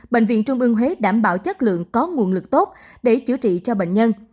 bệnh viện trung ương huế đảm bảo chất lượng có nguồn lực tốt để chữa trị cho bệnh nhân